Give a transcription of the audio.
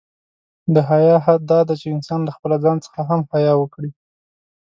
د حیا حد دا دی، چې انسان له خپله ځان څخه هم حیا وکړي.